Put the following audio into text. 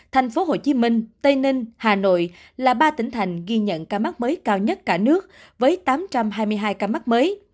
thành phố hồ chí minh tây ninh hà nội là ba tỉnh thành ghi nhận ca mắc mới cao nhất cả nước với tám trăm hai mươi hai ca mắc mới